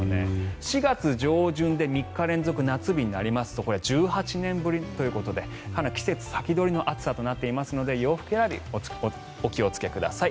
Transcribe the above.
４月上旬で３日連続夏日になりますとこれは１８年ぶりということで季節先取りの暑さとなっていますので洋服選び、お気をつけください。